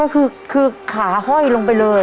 ก็คือขาห้อยลงไปเลย